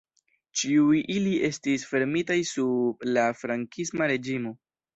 Ĉiuj ili estis fermitaj sub la frankisma reĝimo.